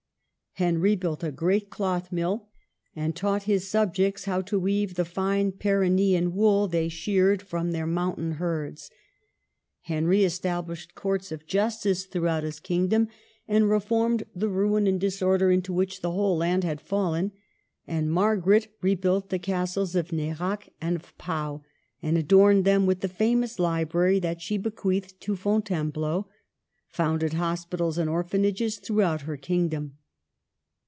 Henry built a great cloth mill, and taught his subjects how to weave the fine Pyrennean wool they sheared from their 126 MARGARET OF ANGOUL^ME. mountain herds. Henry established courts of justice throughout his kingdom, and reformed the ruin and disorder into which the whole land had fallen ; and Margaret rebuilt the castles of Nerac and of Pau, and adorned them with the famous library that she bequeathed to Fon tainebleau, founded hospitals and orphanages throughout her kingdom.